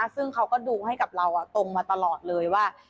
ซึ่งเขาก็ดูให้กับเราตรงมาตลอดเลยว่า